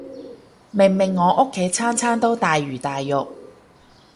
明明我屋企餐餐都大魚大肉